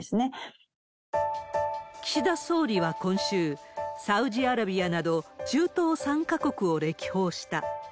岸田総理は今週、サウジアラビアなど中東３か国を歴訪した。